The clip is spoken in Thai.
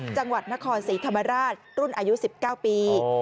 จังหวัดนครศรีธรรมราชรุ่นอายุ๑๙ปี